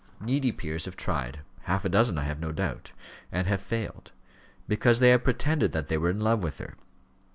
Needy peers have tried half a dozen I have no doubt and have failed, because they have pretended that they were in love with her.